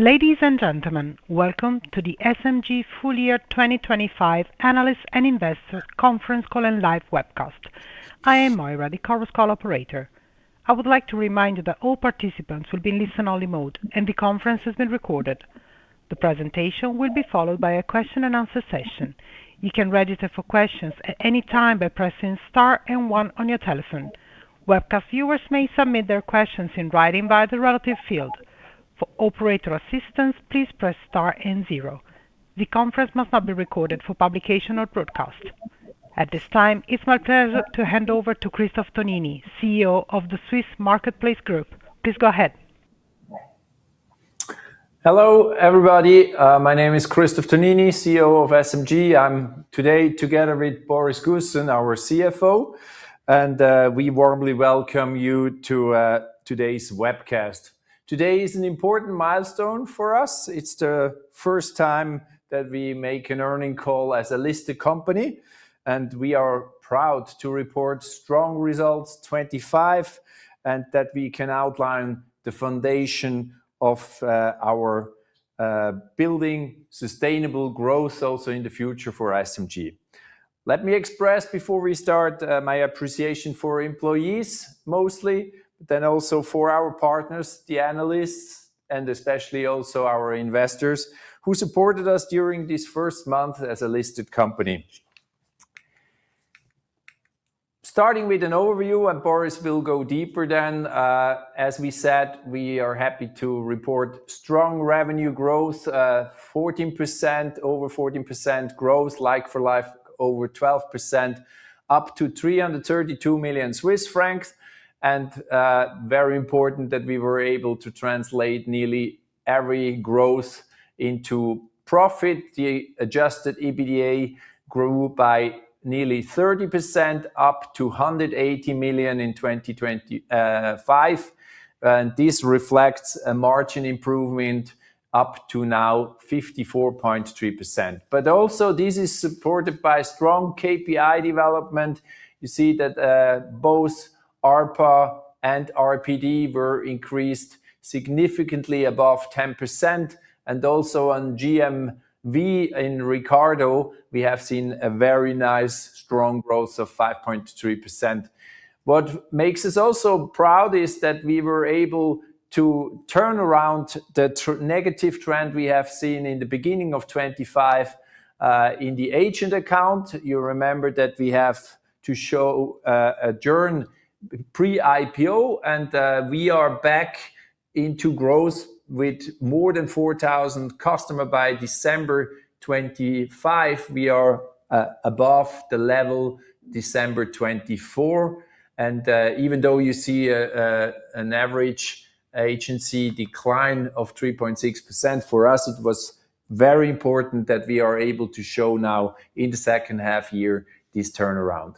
Ladies and gentlemen, welcome to the SMG Full Year 2025 analyst and investor conference call and live webcast. I am Moira, the conference call operator. I would like to remind you that all participants will be in listen-only mode, and the conference is being recorded. The presentation will be followed by a question-and-answer session. You can register for questions at any time by pressing star and one on your telephone. Webcast viewers may submit their questions in writing via the relative field. For operator assistance, please press star and zero. The conference must not be recorded for publication or broadcast. At this time, it's my pleasure to hand over to Christoph Tonini, CEO of the Swiss Marketplace Group. Please go ahead. Hello, everybody. My name is Christoph Tonini, CEO of SMG. I'm today together with Boris Gussen, our CFO, and we warmly welcome you to today's webcast. Today is an important milestone for us. It's the first time that we make an earnings call as a listed company, and we are proud to report strong results 25, and that we can outline the foundation of our building sustainable growth also in the future for SMG. Let me express, before we start, my appreciation for employees mostly, but then also for our partners, the analysts, and especially also our investors who supported us during this first month as a listed company. Starting with an overview, and Boris will go deeper then. As we said, we are happy to report strong revenue growth, over 14% growth. Like-for-like over 12%, up to 332 million Swiss francs. Very important that we were able to translate nearly every growth into profit. The adjusted EBITDA grew by nearly 30% up to 180 million in 2025. This reflects a margin improvement up to now 54.3%. This is also supported by strong KPI development. You see that both ARPA and RPD were increased significantly above 10%, and also on GMV in Ricardo, we have seen a very nice strong growth of 5.3%. What makes us also proud is that we were able to turn around the negative trend we have seen in the beginning of 2025 in the agent account. You remember that we have to show a strong pre-IPO, and we are back into growth with more than 4,000 customers by December 2025. We are above the level December 2024, even though you see an average agency decline of 3.6%, for us it was very important that we are able to show now in the second half year this turnaround.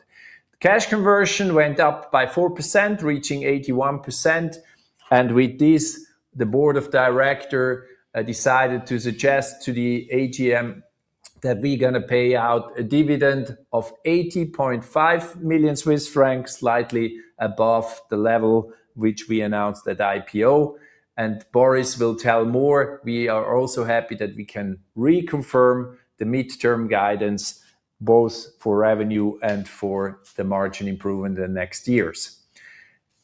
Cash conversion went up by 4%, reaching 81%, and with this, the Board of Directors decided to suggest to the AGM that we're gonna pay out a dividend of 80.5 million Swiss francs, slightly above the level which we announced at IPO. Boris will tell more. We are also happy that we can reconfirm the midterm guidance, both for revenue and for the margin improvement in the next years.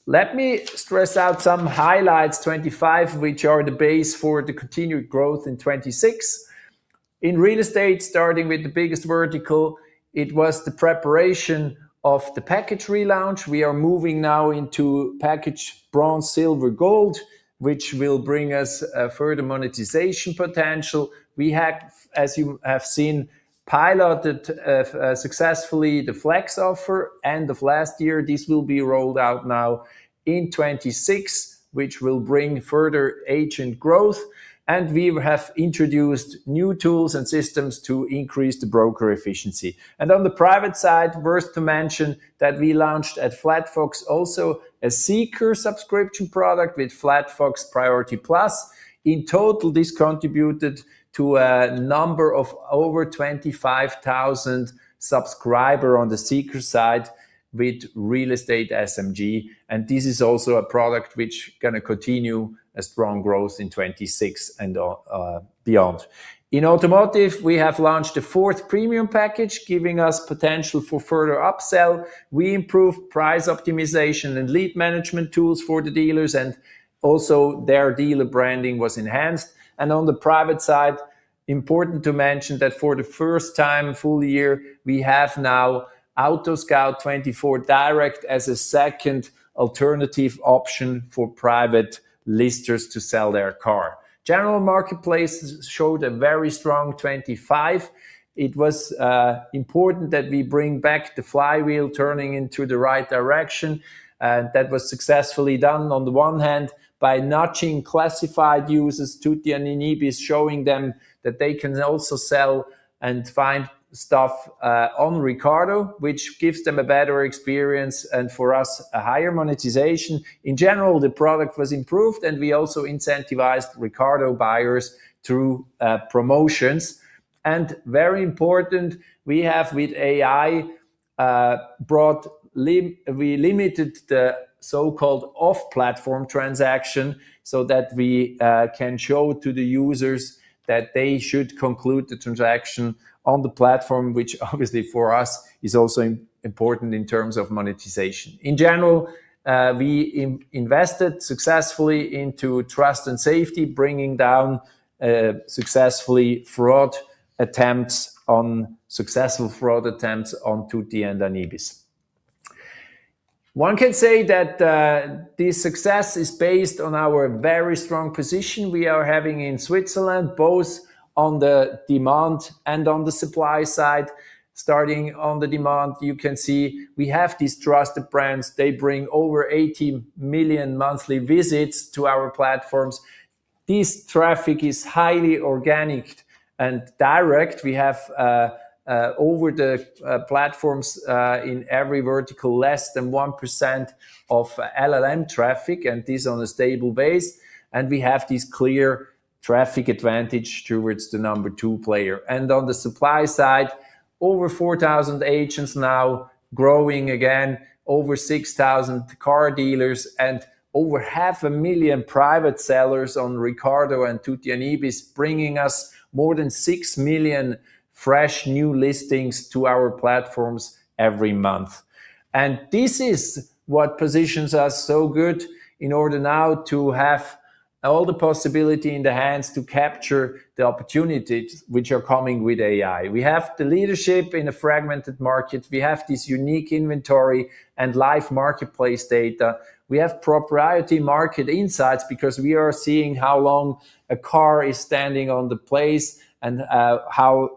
Let me pick out some highlights 2025, which are the basis for the continued growth in 2026. In real estate, starting with the biggest vertical, it was the preparation of the package relaunch. We are moving now into package bronze, silver, gold, which will bring us further monetization potential. We have, as you have seen, piloted successfully the Flex Offer end of last year. This will be rolled out now in 2026, which will bring further agent growth. We have introduced new tools and systems to increase the broker efficiency. On the private side, worth to mention that we launched at Flatfox also a Seeker subscription product with Flatfox Priority Plus. In total, this contributed to a number of over 25,000 subscribers on the Seeker side with Real Estate SMG, and this is also a product which gonna continue a strong growth in 2026 and beyond. In automotive, we have launched a fourth premium package, giving us potential for further upsell. We improved price optimization and lead management tools for the dealers, and also their dealer branding was enhanced. On the private side, important to mention that for the first time full year, we have now AutoScout24 Direct as a second alternative option for private listers to sell their car. General Marketplace showed a very strong 2025. It was important that we bring back the flywheel turning into the right direction, and that was successfully done on the one hand by notifying classified users to the anibis.ch, showing them that they can also sell and find stuff on Ricardo, which gives them a better experience, and for us, a higher monetization. In general, the product was improved, and we also incentivized Ricardo buyers through promotions. Very important, we have with AI limited the so-called off-platform transactions so that we can show to the users that they should conclude the transaction on the platform, which obviously for us is also important in terms of monetization. In general, we invested successfully into trust and safety, bringing down successful fraud attempts on tutti.ch and anibis.ch. One can say that, this success is based on our very strong position we are having in Switzerland, both on the demand and on the supply side. Starting on the demand, you can see we have these trusted brands. They bring over 80 million monthly visits to our platforms. This traffic is highly organic and direct. We have, over the platforms, in every vertical, less than 1% of LLM traffic, and this on a stable base, and we have this clear traffic advantage towards the number two player. On the supply side, over 4,000 agents now growing again, over 6,000 car dealers, and over half a million private sellers on Ricardo and tutti.ch and anibis.ch, bringing us more than 6 million fresh new listings to our platforms every month. This is what positions us so good in order now to have all the possibility in the hands to capture the opportunities which are coming with AI. We have the leadership in a fragmented market. We have this unique inventory and live marketplace data. We have proprietary market insights because we are seeing how long a car is standing on the place and how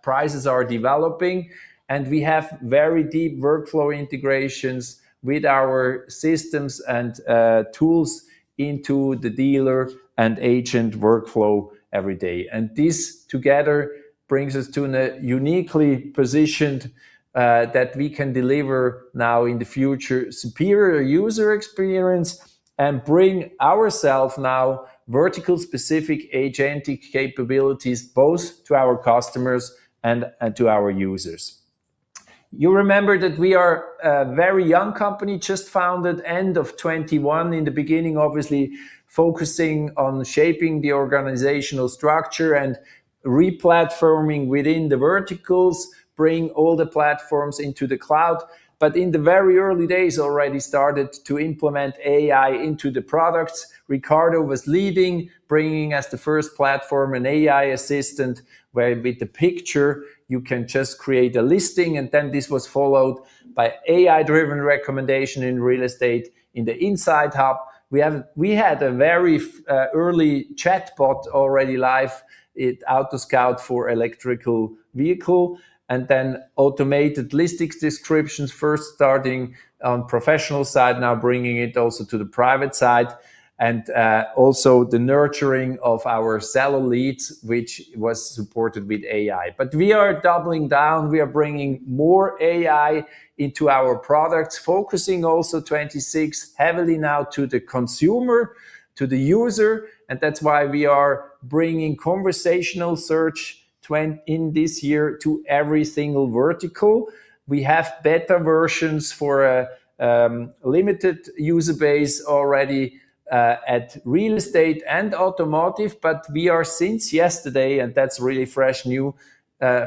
prices are developing. We have very deep workflow integrations with our systems and tools into the dealer and agent workflow every day. This together brings us to a uniquely positioned that we can deliver now in the future superior user experience and bring ourself now vertical specific agentic capabilities both to our customers and to our users. You remember that we are a very young company, just founded end of 2021. In the beginning, obviously focusing on shaping the organizational structure and re-platforming within the verticals, bring all the platforms into the cloud. In the very early days already started to implement AI into the products. Ricardo was leading, bringing us the first platform, an AI assistant, where with the picture you can just create a listing, and then this was followed by AI-driven recommendation in real estate in the Inside Hub. We had a very early chatbot already live at AutoScout for electric vehicle and then automated listings descriptions first starting on professional side, now bringing it also to the private side and also the nurturing of our seller leads, which was supported with AI. We are doubling down. We are bringing more AI into our products, focusing also 2026 heavily now to the consumer, to the user, and that's why we are bringing conversational search in this year to every single vertical. We have beta versions for a limited user base already at real estate and automotive, but we are since yesterday, and that's really fresh new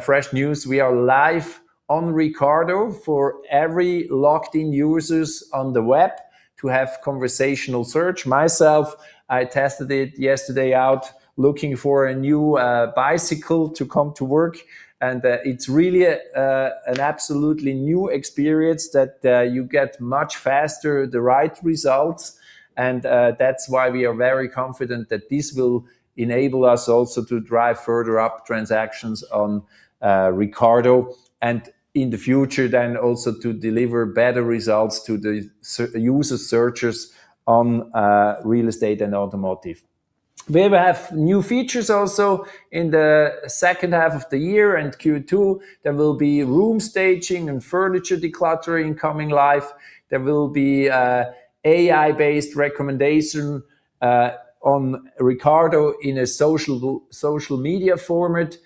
fresh news, we are live on Ricardo for every locked-in users on the web to have conversational search. Myself, I tested it yesterday out looking for a new bicycle to come to work, and it's really an absolutely new experience that you get much faster the right results. That's why we are very confident that this will enable us also to drive further up transactions on Ricardo and in the future then also to deliver better results to the user searchers on real estate and automotive. We will have new features also in the second half of the year and Q2. There will be room staging and furniture decluttering coming live. There will be AI-based recommendation on Ricardo in a social media format.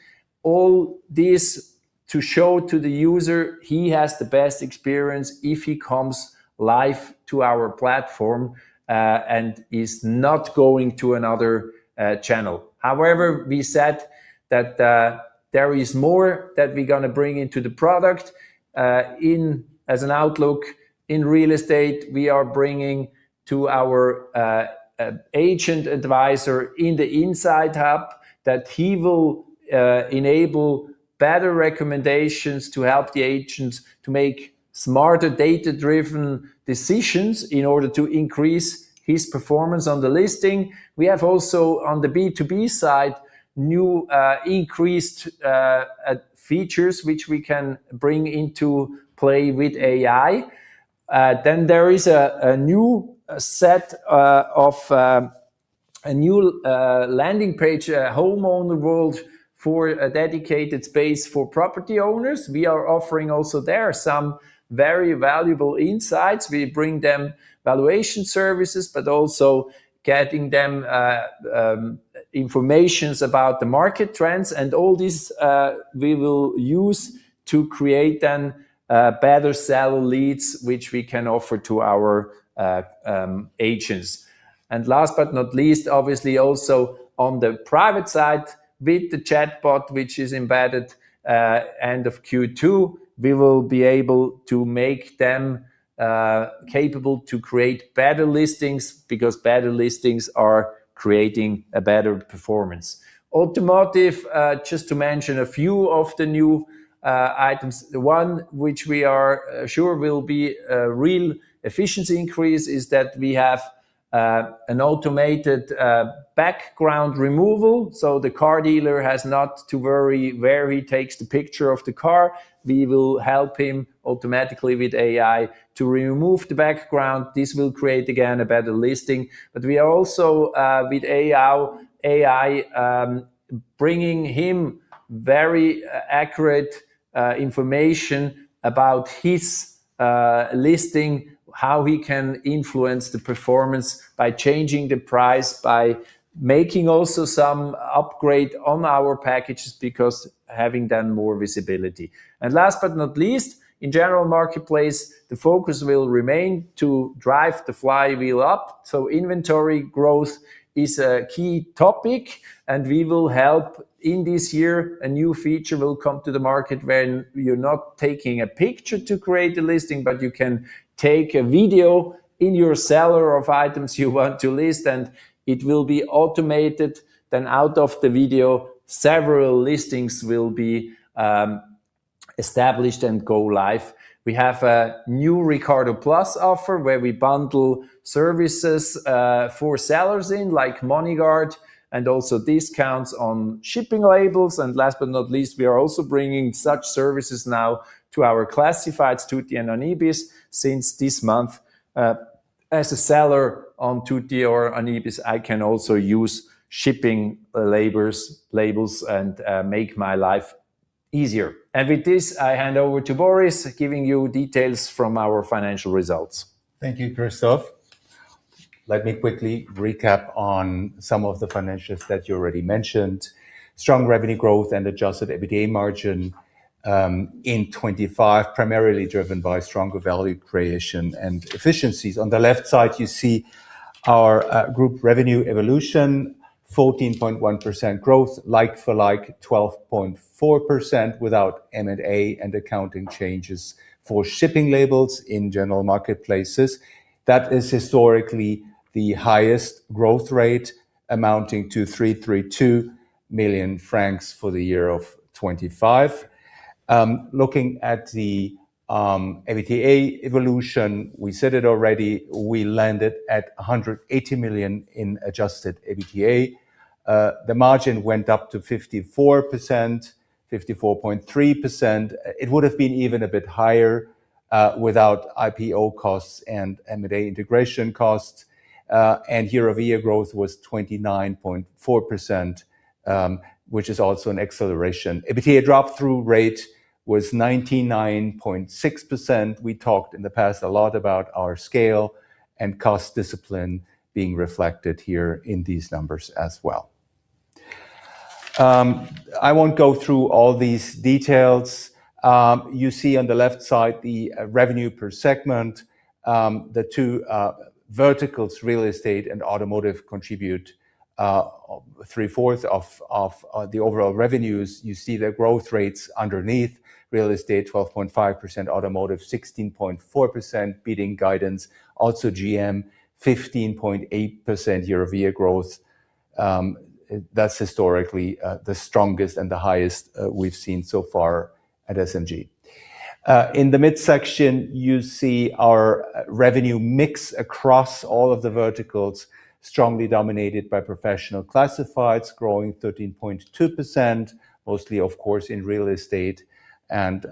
All this to show to the user he has the best experience if he comes live to our platform and is not going to another channel. However, we said that there is more that we're gonna bring into the product. As an outlook in real estate, we are bringing to our agent advisor in the Inside Hub that he will enable better recommendations to help the agents to make smarter data-driven decisions in order to increase his performance on the listing. We have also, on the B2B side, new increased features which we can bring into play with AI. Then there is a new landing page, a homeowner world for a dedicated space for property owners. We are offering also there some very valuable insights. We bring them valuation services, but also getting them information about the market trends. All these we will use to create then better sell leads which we can offer to our agents. Last but not least, obviously also on the private side with the chatbot which is embedded, end of Q2, we will be able to make them capable to create better listings because better listings are creating a better performance. Automotive, just to mention a few of the new items. The one which we are sure will be a real efficiency increase is that we have an automated background removal, so the car dealer has not to worry where he takes the picture of the car. We will help him automatically with AI to remove the background. This will create, again, a better listing. We are also with AI bringing him very accurate information about his listing, how he can influence the performance by changing the price, by making also some upgrade on our packages because having then more visibility. Last but not least, in general marketplace, the focus will remain to drive the flywheel up. Inventory growth is a key topic, and we will help. In this year, a new feature will come to the market without taking a picture to create the listing, but you can take a video of items you want to list, and it will be automated. Out of the video, several listings will be established and go live. We have a new Ricardo Plus offer where we bundle services for sellers, like MoneyGuard and also discounts on shipping labels. Last but not least, we are also bringing such services now to our classifieds, tutti.ch and anibis.ch since this month. As a seller on tutti.ch or anibis.ch, I can also use shipping labels and make my life easier. With this, I hand over to Boris, giving you details from our financial results. Thank you, Christoph. Let me quickly recap on some of the financials that you already mentioned. Strong revenue growth and adjusted EBITDA margin in 2025, primarily driven by stronger value creation and efficiencies. On the left side, you see our group revenue evolution, 14.1% growth, like for like, 12.4% without M&A and accounting changes for shipping labels in general marketplaces. That is historically the highest growth rate amounting to 332 million francs for the year of 2025. Looking at the EBITDA evolution, we said it already, we landed at 180 million in adjusted EBITDA. The margin went up to 54%, 54.3%. It would have been even a bit higher without IPO costs and M&A integration costs. Year-over-year growth was 29.4%, which is also an acceleration. EBITDA drop-through rate was 99.6%. We talked in the past a lot about our scale and cost discipline being reflected here in these numbers as well. I won't go through all these details. You see on the left side the revenue per segment. The two verticals, real estate and automotive contribute three-fourths of the overall revenues. You see their growth rates underneath. Real estate, 12.5%. Automotive, 16.4%, beating guidance. Also GM, 15.8% year-over-year growth. That's historically the strongest and the highest we've seen so far at SMG. In the midsection, you see our revenue mix across all of the verticals strongly dominated by professional classifieds growing 13.2%, mostly, of course, in real estate and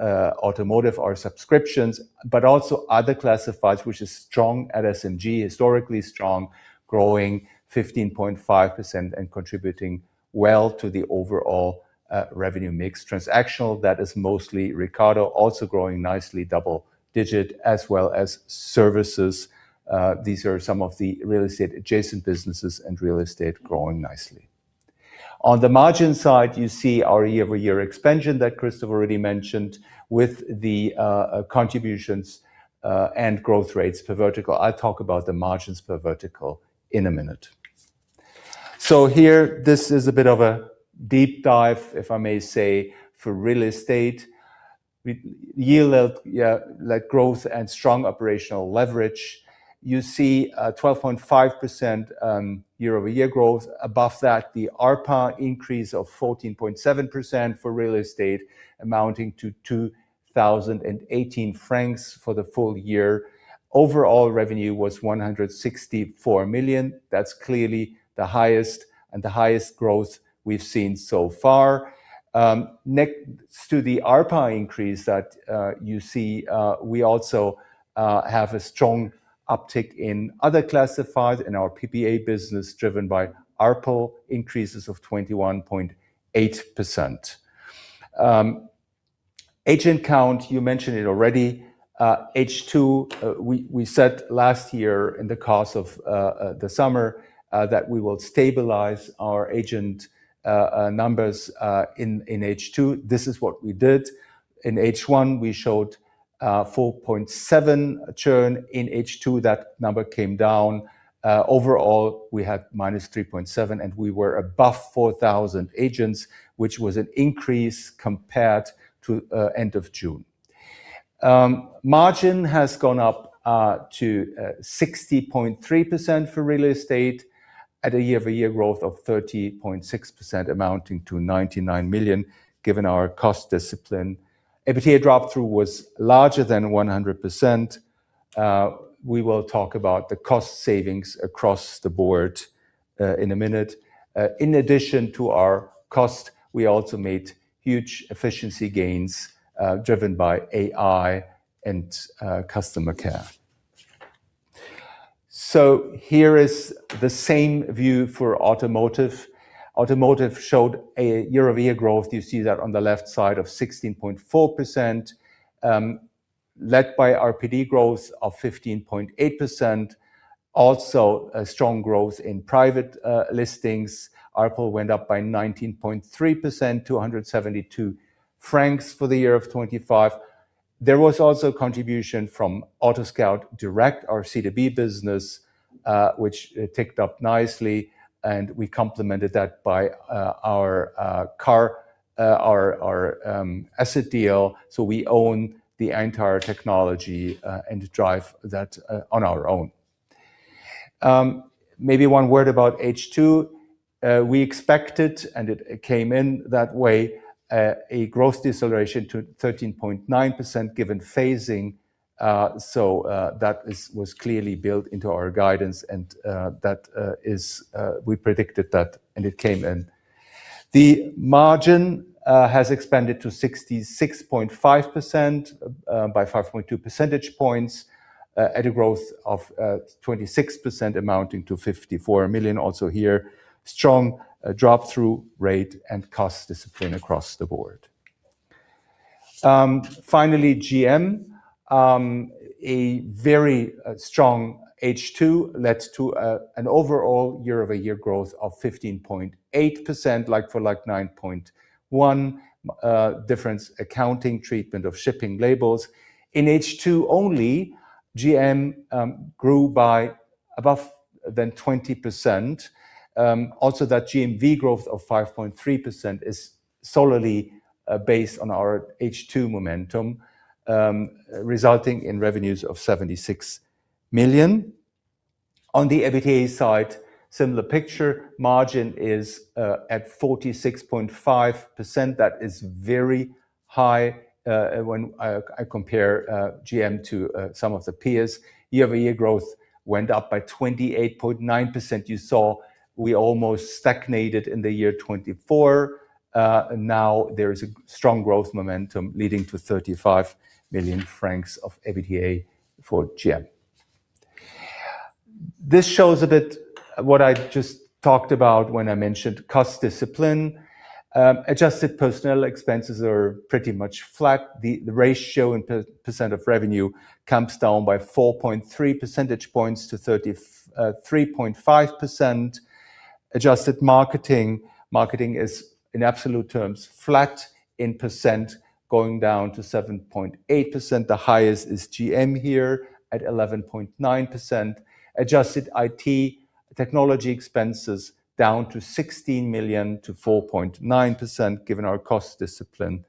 automotive, our subscriptions. Also other classifieds, which is strong at SMG, historically strong, growing 15.5% and contributing well to the overall revenue mix. Transactional, that is mostly Ricardo, also growing nicely double-digit as well as services. These are some of the real estate adjacent businesses and real estate growing nicely. On the margin side, you see our year-over-year expansion that Christoph already mentioned with the contributions and growth rates per vertical. I'll talk about the margins per vertical in a minute. Here, this is a bit of a deep dive, if I may say, for real estate. We yield growth and strong operational leverage. You see, 12.5% year-over-year growth. Above that, the ARPA increase of 14.7% for real estate amounting to 2,018 francs for the full year. Overall revenue was 164 million. That's clearly the highest growth we've seen so far. Next to the ARPA increase that you see, we also have a strong uptick in other classifieds in our PPA business driven by ARPO increases of 21.8%. Agent count, you mentioned it already. H2, we said last year in the course of the summer that we will stabilize our agent numbers in H2. This is what we did. In H1, we showed 4.7% churn. In H2, that number came down. Overall, we had -3.7, and we were above 4,000 agents, which was an increase compared to end of June. Margin has gone up to 60.3% for Real Estate at a year-over-year growth of 30.6%, amounting to 99 million, given our cost discipline. EBITDA drop-through was larger than 100%. We will talk about the cost savings across the Board in a minute. In addition to our cost, we also made huge efficiency gains driven by AI and customer care. Here is the same view for Automotive. Automotive showed a year-over-year growth. You see that on the left side of 16.4%, led by RPD growth of 15.8%. Also a strong growth in private listings. ARPU went up by 19.3% to 172 francs for the year of 2025. There was also contribution from AutoScout24 Direct, our C2B business, which ticked up nicely, and we complemented that by our asset deal, so we own the entire technology and drive that on our own. Maybe one word about H2. We expected, and it came in that way, a growth deceleration to 13.9% given phasing. So, that was clearly built into our guidance and, that is, we predicted that, and it came in. The margin has expanded to 66.5%, by 5.2 percentage points, at a growth of 26% amounting to 54 million. Also here, strong drop-through rate and cost discipline across the Board. Finally, GM. A very strong H2 led to an overall year-over-year growth of 15.8%, like-for-like 9.1, difference accounting treatment of shipping labels. In H2 only, GM grew by above than 20%. Also that GMV growth of 5.3% is solely based on our H2 momentum, resulting in revenues of 76 million. On the EBITDA side, similar picture. Margin is at 46.5%. That is very high when I compare GM to some of the peers. Year-over-year growth went up by 28.9%. You saw we almost stagnated in the year 2024. Now there is a strong growth momentum leading to 35 million francs of EBITDA for GM. This shows a bit what I just talked about when I mentioned cost discipline. Adjusted personnel expenses are pretty much flat. The ratio as a percent of revenue comes down by 4.3 percentage points to 33.5%. Adjusted marketing is, in absolute terms, flat in percent, going down to 7.8%. The highest is GM here at 11.9%. Adjusted IT technology expenses down to 16 million to 4.9%, given our cost discipline.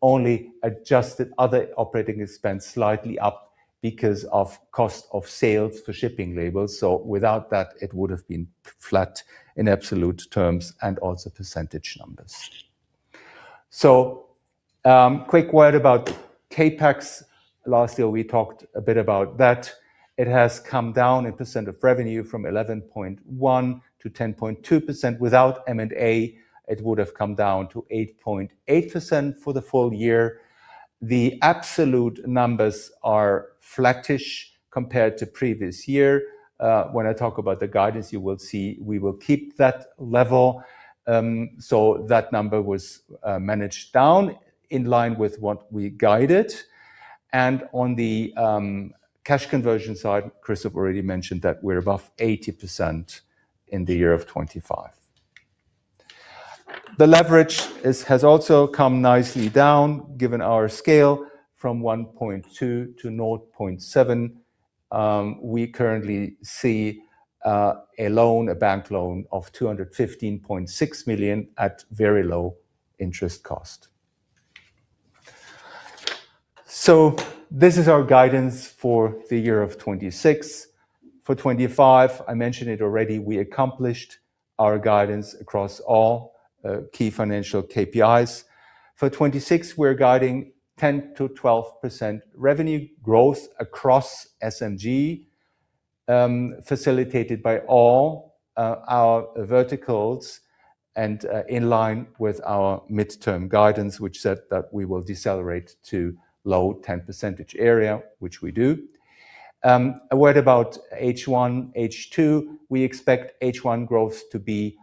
Only adjusted other operating expense slightly up because of cost of sales for shipping labels. Without that, it would have been flat in absolute terms and also percentage numbers. Quick word about CapEx. Last year, we talked a bit about that. It has come down in percent of revenue from 11.1% to 10.2%. Without M&A, it would have come down to 8.8% for the full year. The absolute numbers are flattish compared to previous year. When I talk about the guidance, you will see we will keep that level. That number was managed down in line with what we guided. On the cash conversion side, Chris has already mentioned that we're above 80% in the year of 2025. The leverage has also come nicely down, given our scale from 1.2 to 0.7. We currently see a loan, a bank loan of 215.6 million at very low interest cost. This is our guidance for the year of 2026. For 2025, I mentioned it already, we accomplished our guidance across all key financial KPIs. For 26, we're guiding 10%-12% revenue growth across SMG, facilitated by all our verticals and in line with our midterm guidance, which said that we will decelerate to low teens % area, which we do. A word about H1, H2. We expect H1 growth to be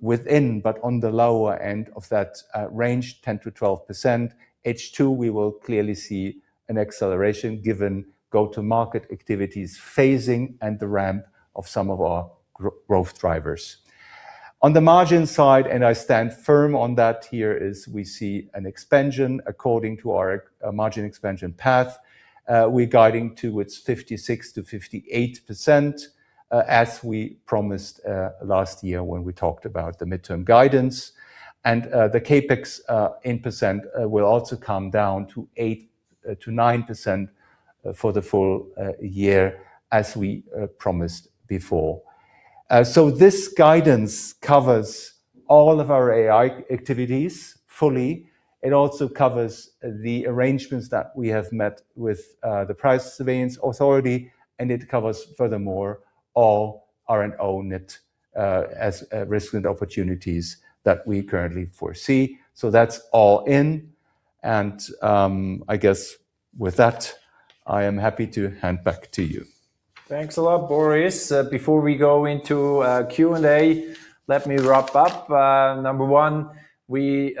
within, but on the lower end of that range, 10%-12%. H2, we will clearly see an acceleration given go-to-market activities phasing and the ramp of some of our growth drivers. On the margin side, I stand firm on that here, we see an expansion according to our margin expansion path. We're guiding to 56%-58%, as we promised last year when we talked about the midterm guidance. The CapEx in percent will also come down to 8%-9% for the full year, as we promised before. This guidance covers all of our AI activities fully. It also covers the arrangements that we have met with the Price Surveillance Authority, and it covers furthermore all R&O net as risk and opportunities that we currently foresee. That's all in. I guess with that, I am happy to hand back to you. Thanks a lot, Boris. Before we go into Q&A, let me wrap up. Number one, we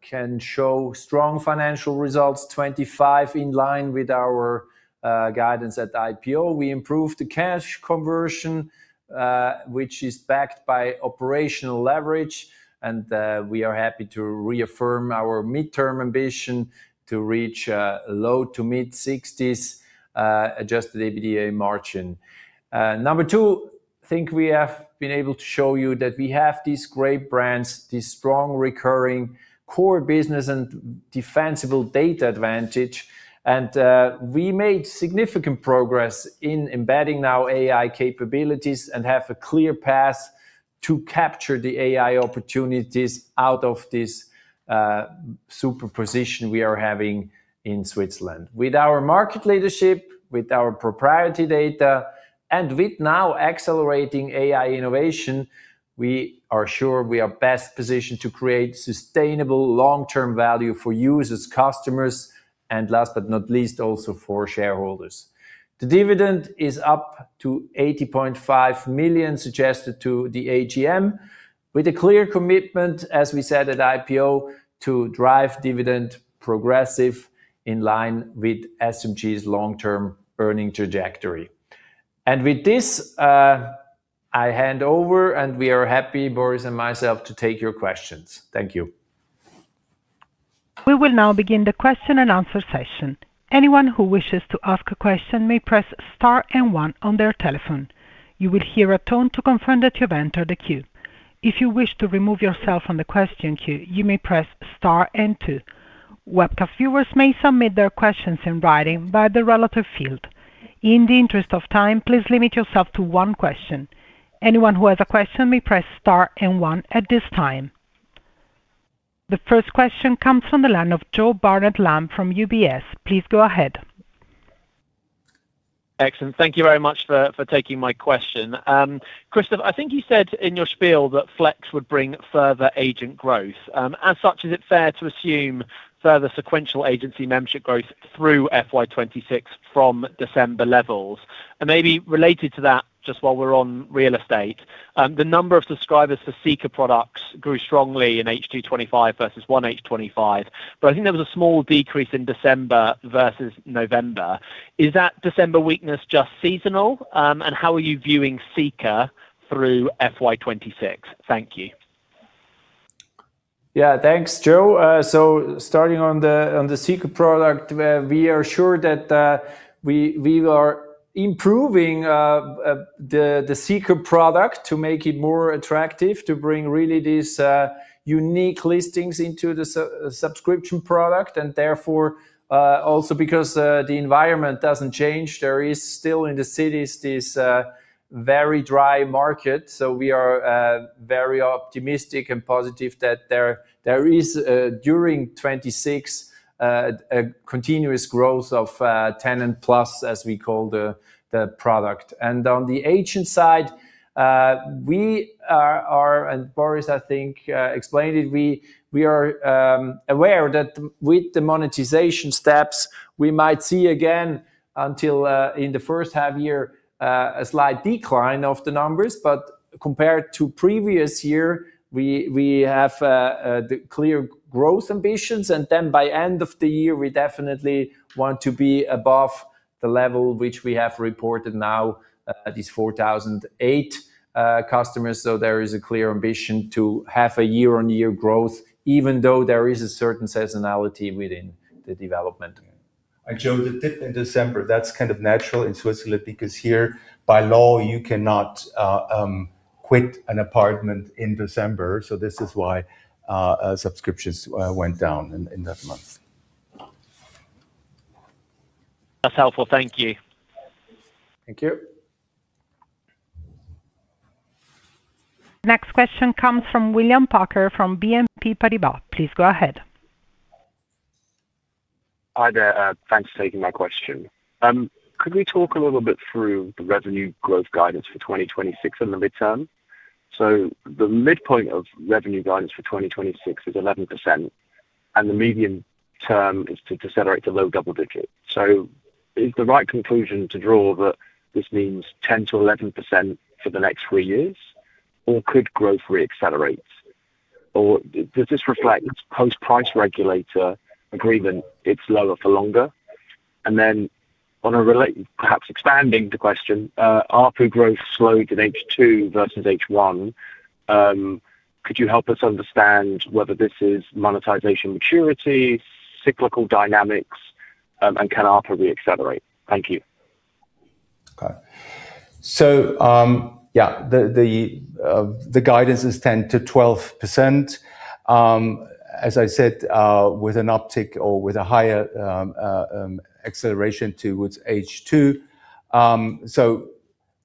can show strong financial results, 25% in line with our guidance at IPO. We improved the cash conversion, which is backed by operational leverage. We are happy to reaffirm our midterm ambition to reach low- to mid-60s% adjusted EBITDA margin. Number two, I think we have been able to show you that we have these great brands, this strong recurring core business and defensible data advantage. We made significant progress in embedding now AI capabilities and have a clear path to capture the AI opportunities out of this superior position we are having in Switzerland. With our market leadership, with our proprietary data, and with now accelerating AI innovation, we are sure we are best positioned to create sustainable long-term value for users, customers, and last but not least, also for shareholders. The dividend is up to 80.5 million suggested to the AGM, with a clear commitment, as we said at IPO, to drive dividend progressively in line with SMG's long-term earnings trajectory. With this, I hand over, and we are happy, Boris and myself, to take your questions. Thank you. We will now begin the question and answer session. Anyone who wishes to ask a question may press star and one on their telephone. You will hear a tone to confirm that you've entered the queue. If you wish to remove yourself from the question queue, you may press star and two. Webcast viewers may submit their questions in writing by the relevant field. In the interest of time, please limit yourself to one question. Anyone who has a question may press star and one at this time. The first question comes from the line of Joe Barnet-Lamb from UBS. Please go ahead. Excellent. Thank you very much for taking my question. Christoph, I think you said in your spiel that Flex would bring further agent growth. As such, is it fair to assume further sequential agency membership growth through FY 2026 from December levels? Maybe related to that, just while we're on real estate, the number of subscribers for Seeker products grew strongly in H2 2025 versus 1H 2025. I think there was a small decrease in December versus November. Is that December weakness just seasonal? How are you viewing Seeker through FY 2026? Thank you. Yeah. Thanks, Joe. Starting on the Seeker product, we are sure that we are improving the Seeker product to make it more attractive, to bring really this unique listings into the subscription product, and therefore also because the environment doesn't change. There is still in the cities this very dry market. We are very optimistic and positive that there is during 2026 a continuous growth of TenantPlus, as we call the product. On the agent side, we are and Boris, I think, explained it. We are aware that with the monetization steps, we might see again until in the first half year a slight decline of the numbers. Compared to previous year, we have the clear growth ambitions. Then by end of the year, we definitely want to be above the level which we have reported now at these 4,008 customers. There is a clear ambition to have a year-on-year growth, even though there is a certain seasonality within the development. Joe, the dip in December, that's kind of natural in Switzerland because here by law, you cannot quit an apartment in December. This is why subscriptions went down in that month. That's helpful. Thank you. Thank you. Next question comes from William Parker from BNP Paribas. Please go ahead. Hi there. Thanks for taking my question. Could we talk a little bit through the revenue growth guidance for 2026 and the midterm? The midpoint of revenue guidance for 2026 is 11%. The medium term is to decelerate to low double-digit. Is the right conclusion to draw that this means 10%-11% for the next three years or could growth re-accelerate? Or does this reflect post-price regulator agreement, it's lower for longer? Then perhaps expanding the question, ARPU growth slowed in H2 versus H1. Could you help us understand whether this is monetization maturity, cyclical dynamics, and can ARPU re-accelerate? Thank you. Okay. The guidance is 10%-12%. As I said, with an uptick or with a higher acceleration towards H2.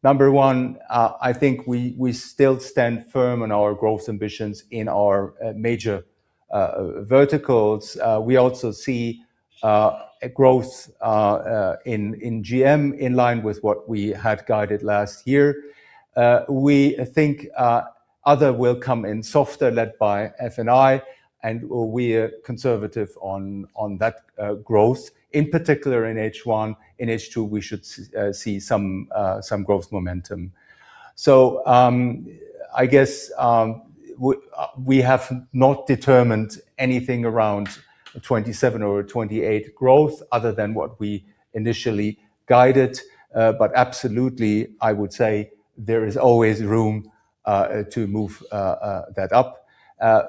Number one, I think we still stand firm on our growth ambitions in our major verticals. We also see a growth in GM in line with what we had guided last year. We think other will come in softer led by F&I and we're conservative on that growth, in particular in H1. In H2, we should see some growth momentum. I guess we have not determined anything around 2027 or 2028 growth other than what we initially guided. Absolutely, I would say there is always room to move that up.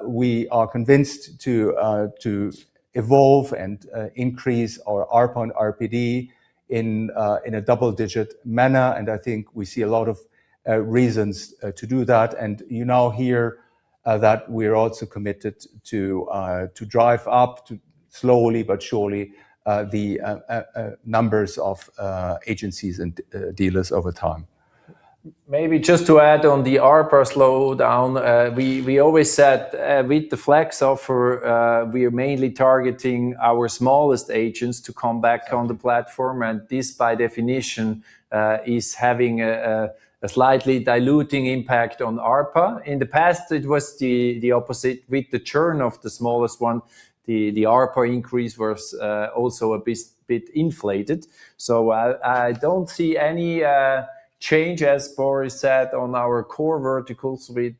We are convinced to evolve and increase our ARP on RPD in a double-digit manner, and I think we see a lot of reasons to do that. You now hear that we're also committed to drive up too slowly but surely the numbers of agencies and dealers over time. Maybe just to add on the ARPA slowdown. We always said with the Flex Offer we are mainly targeting our smallest agents to come back on the platform, and this by definition is having a slightly diluting impact on ARPA. In the past, it was the opposite. With the churn of the smallest one, the ARPA increase was also a bit inflated. I don't see any change, as Boris said, on our core verticals with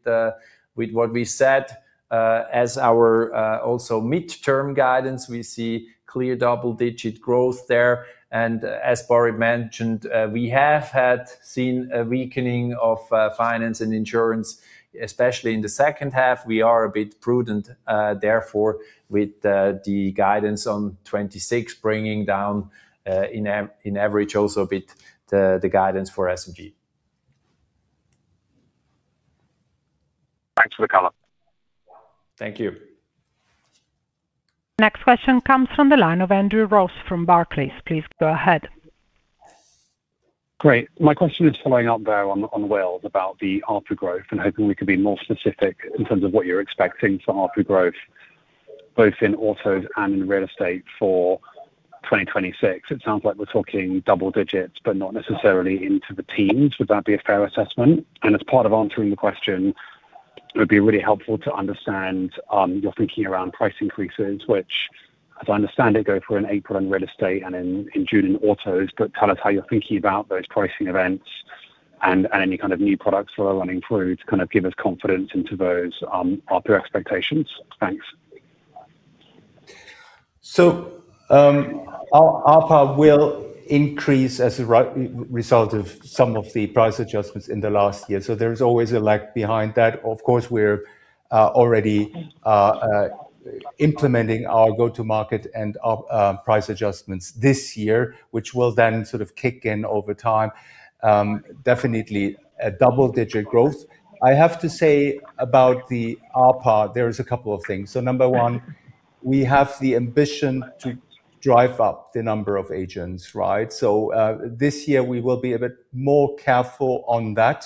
what we said as our also midterm guidance. We see clear double-digit growth there. As Boris mentioned, we have had seen a weakening of finance and insurance, especially in the second half. We are a bit prudent, therefore, with the guidance on 2026 bringing down, in average also a bit the guidance for SMG. Thanks for the color. Thank you. Next question comes from the line of Andrew Ross from Barclays. Please go ahead. Great. My question is following up though on Will's about the ARPU growth and hoping we could be more specific in terms of what you're expecting for ARPU growth, both in autos and in real estate for 2026. It sounds like we're talking double-digits, but not necessarily into the teens. Would that be a fair assessment? As part of answering the question, it would be really helpful to understand your thinking around price increases, which, as I understand it, go through in April in real estate and in June in autos. Tell us how you're thinking about those pricing events and any kind of new products that are running through to kind of give us confidence into those ARPU expectations. Thanks. Our ARPA will increase as a result of some of the price adjustments in the last year. There is always a lag behind that. Of course, we're already implementing our go-to market and our price adjustments this year, which will then sort of kick in over time. Definitely a double-digit growth. I have to say about the ARPA, there is a couple of things. Number one, we have the ambition to drive up the number of agents, right? This year we will be a bit more careful on that.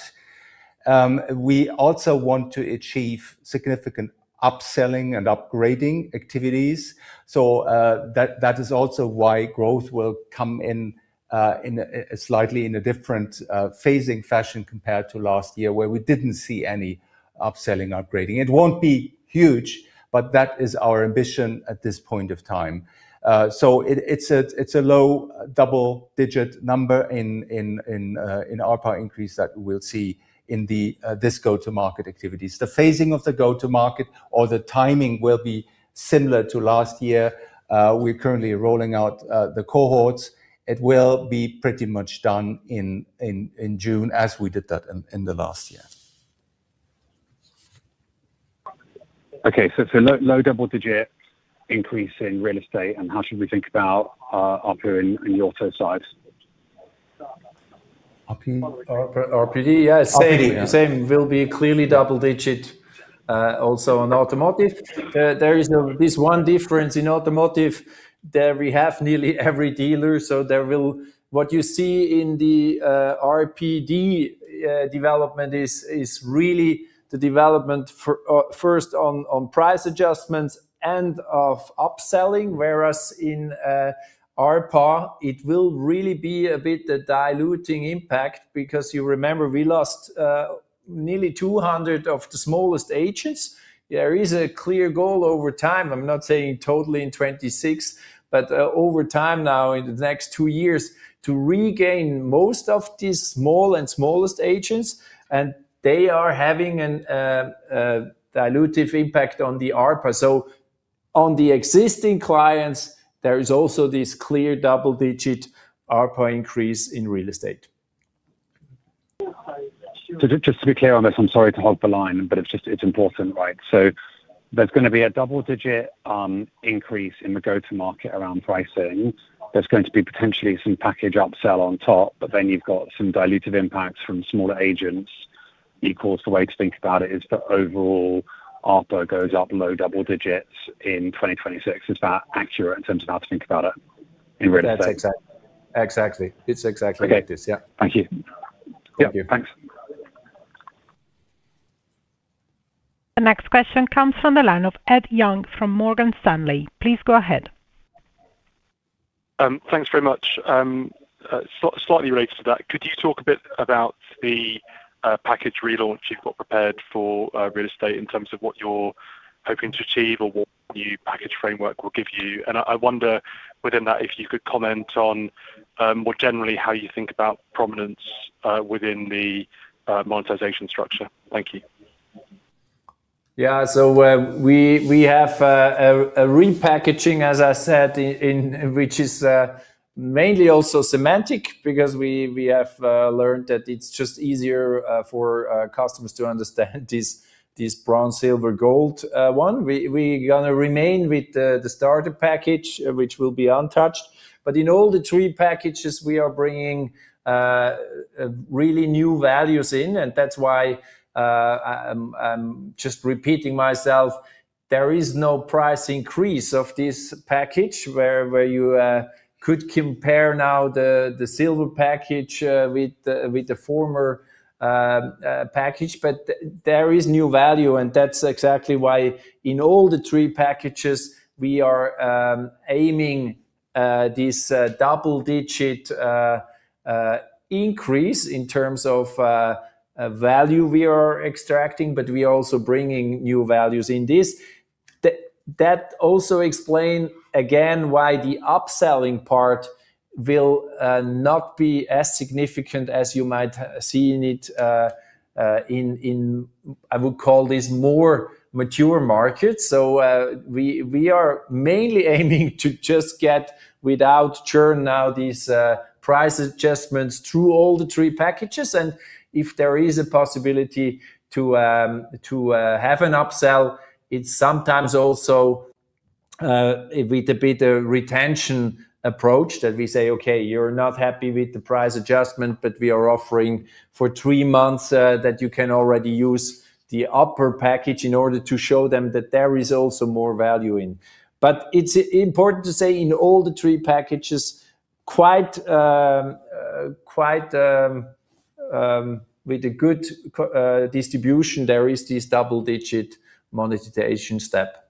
We also want to achieve significant upselling and upgrading activities. That is also why growth will come in a slightly different phasing fashion compared to last year, where we didn't see any upselling, upgrading. It won't be huge, but that is our ambition at this point of time. It's a low double-digit number in ARPA increase that we'll see in this go-to-market activities. The phasing of the go-to-market or the timing will be similar to last year. We're currently rolling out the cohorts. It will be pretty much done in June, as we did that in the last year. Okay. Low double digit increase in real estate, and how should we think about ARPU in the auto side? ARPU? RPD? Yes. ARPU. Yeah. Same. Will be clearly double-digit also on automotive. There is this one difference in automotive, there we have nearly every dealer, so there will. What you see in the RPD development is really the development for first on price adjustments and upselling. Whereas in ARPA, it will really be a bit of a dilutive impact because you remember we lost nearly 200 of the smallest agents. There is a clear goal over time, I'm not saying totally in 2026, but over time now in the next two years, to regain most of these small and smallest agents, and they are having a dilutive impact on the ARPA. On the existing clients, there is also this clear double-digit ARPA increase in real estate. Just to be clear on this, I'm sorry to hold the line, but it's just, it's important, right? There's gonna be a double-digit increase in the go-to-market around pricing. There's going to be potentially some package upsell on top, but then you've got some dilutive impacts from smaller agents equals the way to think about it is the overall ARPA goes up low double-digits in 2026. Is that accurate in terms of how to think about it in real estate? That's exactly. It's exactly like this. Okay. Yeah. Thank you. Yeah. Thanks. The next question comes from the line of Ed Young from Morgan Stanley. Please go ahead. Thanks very much. Slightly related to that. Could you talk a bit about the package relaunch you've got prepared for real estate in terms of what you're hoping to achieve or what new package framework will give you? I wonder within that, if you could comment on more generally how you think about prominence within the monetization structure. Thank you. We have a repackaging, as I said, in which is mainly also semantic because we have learned that it's just easier for customers to understand this bronze, silver, gold one. We gonna remain with the starter package, which will be untouched. In all the three packages we are bringing really new values in, and that's why, I'm just repeating myself. There is no price increase of this package where you could compare now the silver package with the former package. There is new value, and that's exactly why in all the three packages we are aiming this double-digit increase in terms of value we are extracting, but we are also bringing new values in this. That also explain again why the upselling part will not be as significant as you might see in it in I would call this more mature markets. We are mainly aiming to just get without churn now these price adjustments through all the three packages. If there is a possibility to have an upsell, it's sometimes also with a bit of retention approach that we say, "Okay, you're not happy with the price adjustment, but we are offering for three months that you can already use the upper package," in order to show them that there is also more value in. It's important to say in all the three packages, quite with a good distribution there is this double-digit monetization step.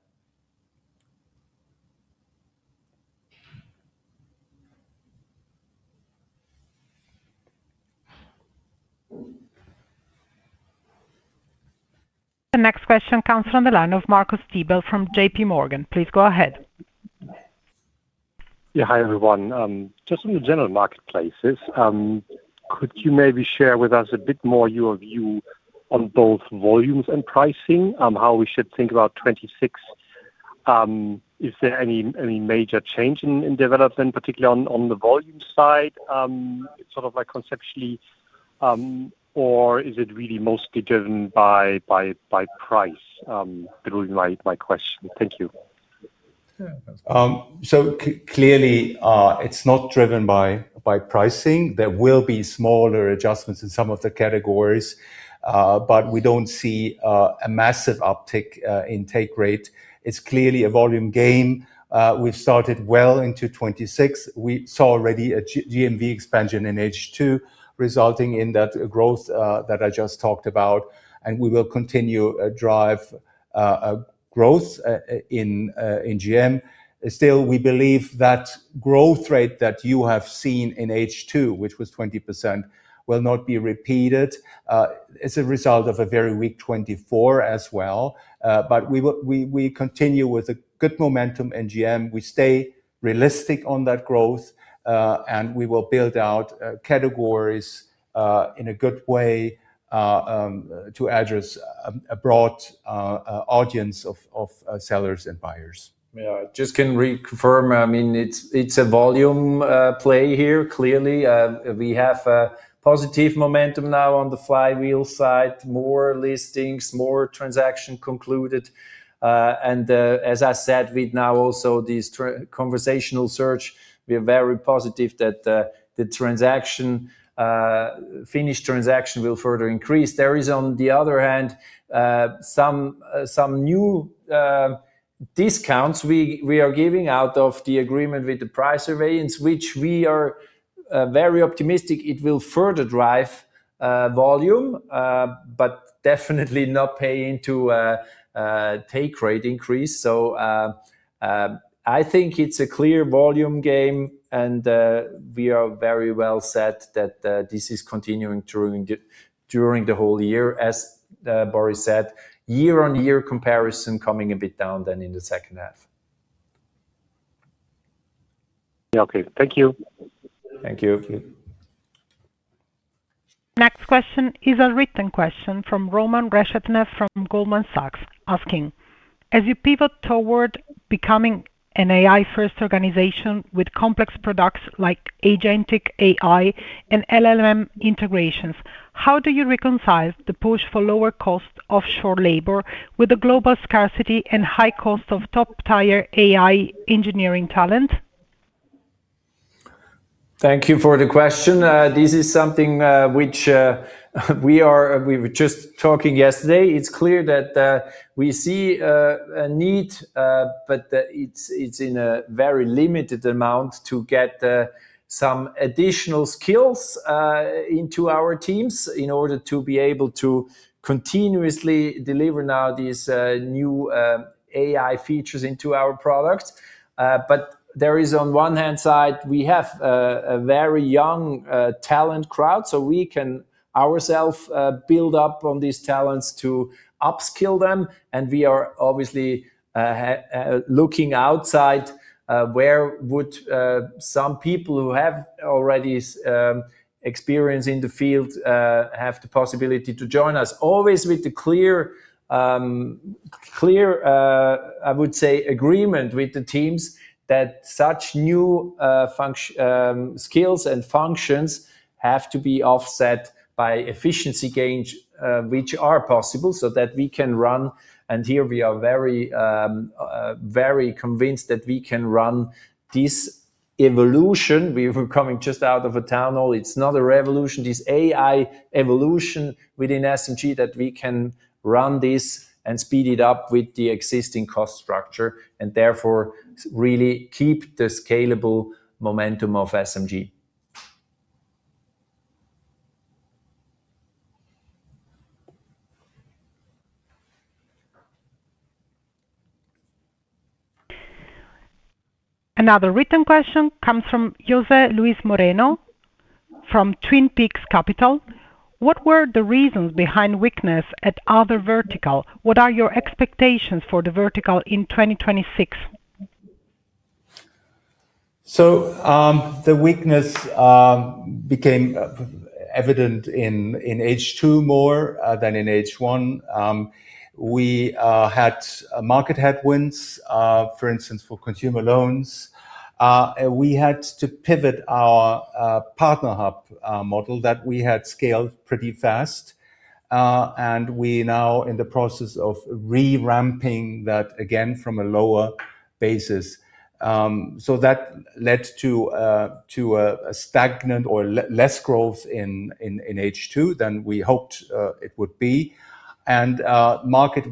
The next question comes from the line of Marcus Diebel from JPMorgan. Please go ahead. Yeah. Hi, everyone. Just on the general marketplaces, could you maybe share with us a bit more your view on both volumes and pricing, on how we should think about 2026? Is there any major change in development, particularly on the volume side, sort of like conceptually, or is it really mostly driven by price? That would be my question. Thank you. Yeah. Clearly, it's not driven by pricing. There will be smaller adjustments in some of the categories, but we don't see a massive uptick in take rate. It's clearly a volume game. We've started well into 2026. We saw already a GMV expansion in H2 resulting in that growth that I just talked about, and we will continue to drive growth in GM. Still, we believe that growth rate that you have seen in H2, which was 20%, will not be repeated as a result of a very weak 2024 as well. We continue with a good momentum in GM. We stay realistic on that growth, and we will build out categories in a good way to address a broad audience of sellers and buyers. Yeah. Just to reconfirm. I mean, it's a volume play here. Clearly, we have a positive momentum now on the flywheel side, more listings, more transactions concluded. As I said, with now also these conversational search, we are very positive that the finished transactions will further increase. There is, on the other hand, some new discounts we are giving out of the agreement with the Price Surveillance Authority, which we are very optimistic it will further drive volume, but definitely not play into a take rate increase. I think it's a clear volume game, and we are very well set that this is continuing during the whole year, as Boris said, year-on-year comparison coming a bit down than in the second half. Yeah, okay. Thank you. Thank you. Next question is a written question from Roman Reshetnev from Goldman Sachs asking, "As you pivot toward becoming an AI-first organization with complex products like agentic AI and LLM integrations, how do you reconcile the push for lower cost offshore labor with the global scarcity and high cost of top-tier AI engineering talent? Thank you for the question. This is something which we were just talking yesterday. It's clear that we see a need, but it's in a very limited amount to get some additional skills into our teams in order to be able to continuously deliver now these new AI features into our products. There is, on one hand side, we have a very young talent crowd, so we can ourself build up on these talents to upskill them, and we are obviously looking outside, where would some people who have already some experience in the field have the possibility to join us. Always with the clear, I would say agreement with the teams that such new skills and functions have to be offset by efficiency gains, which are possible so that we can run. Here we are very convinced that we can run this evolution. We're coming just out of a tunnel. It's not a revolution. This AI evolution within SMG that we can run this and speed it up with the existing cost structure and therefore really keep the scalable momentum of SMG. Another written question comes from José Luis Moreno from Twin Peaks Capital. "What were the reasons behind weakness at Other vertical? What are your expectations for the vertical in 2026? The weakness became evident in H2 more than in H1. We had market headwinds, for instance, for consumer loans. We had to pivot our Partner Hub model that we had scaled pretty fast. We now in the process of re-ramping that again from a lower basis. That led to a stagnant or less growth in H2 than we hoped it would be. Market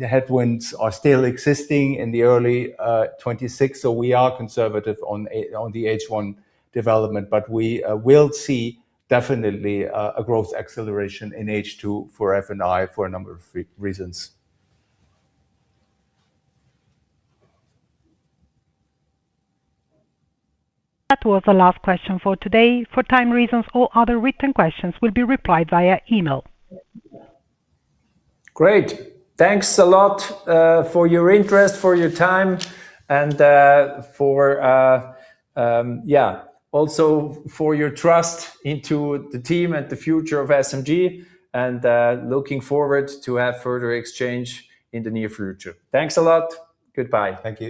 headwinds are still existing in the early 2026, so we are conservative on the H1 development. We will see definitely a growth acceleration in H2 for F&I for a number of reasons. That was the last question for today. For time reasons, all other written questions will be replied via email. Great. Thanks a lot, for your interest, for your time, and, for, also for your trust into the team and the future of SMG, and, looking forward to have further exchange in the near future. Thanks a lot. Goodbye. Thank you.